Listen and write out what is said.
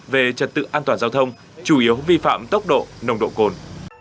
về trật tự an toàn giao thông chủ yếu vi phạm tốc độ nồng độ cồn